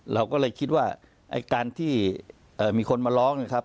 เราก็เลยคิดว่าไอ้การที่มีคนมาร้องนะครับ